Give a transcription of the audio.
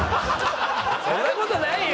そんな事ないよ！